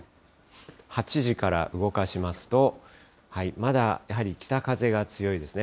８時から動かしますと、まだ、やはり北風が強いですね。